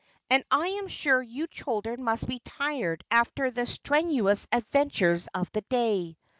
"And I am sure you children must be tired after the strenuous adventures of the day."